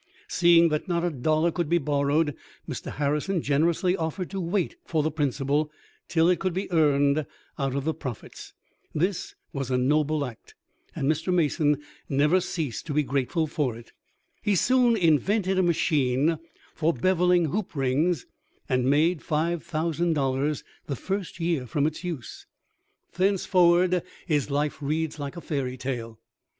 Seeing that not a dollar could be borrowed, Mr. Harrison generously offered to wait for the principal till it could be earned out of the profits. This was a noble act, and Mr. Mason never ceased to be grateful for it. He soon invented a machine for bevelling hoop rings, and made five thousand dollars the first year from its use. Thenceforward his life reads like a fairy tale.